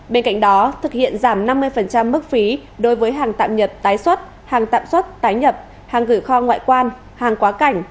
bên cạnh đó thực hiện giảm năm mươi mức phí đối với hàng tạm nhập tái xuất hàng tạm xuất tái nhập hàng gửi kho ngoại quan hàng quá cảnh